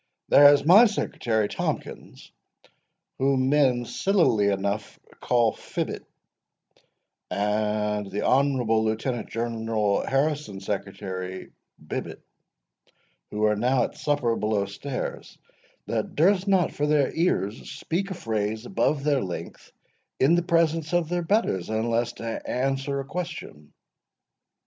"There is my secretary Tomkins, whom men sillily enough call Fibbet, and the honourable Lieutenant General Harrison's secretary Bibbet, who are now at supper below stairs, that durst not for their ears speak a phrase above their breath in the presence of their betters, unless to answer a question."